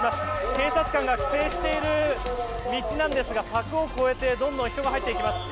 警察官が規制している道なんですが柵を越えてどんどん人が入っていきます。